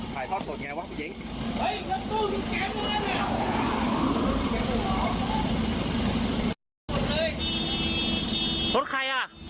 ไข่ทอดโดดไงวะผู้หญิงเฮ้ยน้ำตู้อยู่แก๊สมาแล้วเนี่ย